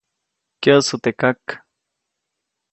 Kyäʼsu teʼ kak.